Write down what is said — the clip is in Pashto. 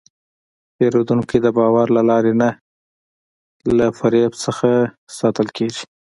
پیرودونکی د باور له لارې نه، له فریب نه ساتل کېږي.